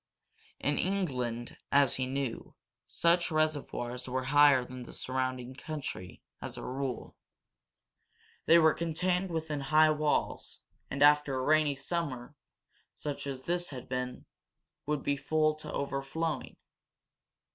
In England, as he knew, such reservoirs were higher than the surrounding country, as a rule. They were contained within high walls, and, after a rainy summer, such as this had been, would be full to overflowing.